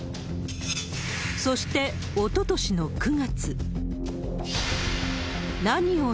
そして、おととしの９月。